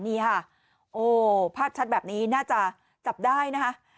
นี่ค่ะโอ้ภาพชัดแบบนี้น่าจะจับได้นะคะ